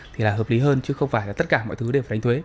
thì là hợp lý hơn chứ không phải là tất cả mọi thứ đều phải đánh thuế